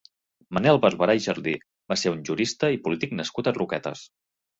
Manel Barberà i Jardí va ser un jurista i polític nascut a Roquetes.